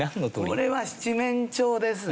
これは七面鳥ですね。